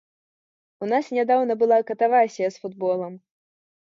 У нас нядаўна была катавасія з футболам.